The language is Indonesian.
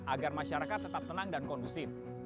agar masyarakat tetap tenang dan kondusif